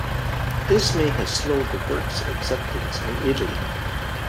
This may have slowed the work's acceptance in Italy.